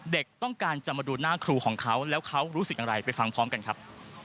เด็กต้องการจะมาดูหน้าครูของเขาแล้วเขารู้สึกอะไรไปฟังพร้อมกันครับ